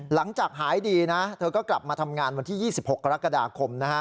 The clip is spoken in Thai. หลังจากหายดีนะเธอก็กลับมาทำงานวันที่๒๖กรกฎาคม